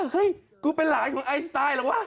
เฮ้ยกูเป็นหลานของไอสไตล์เหรอวะ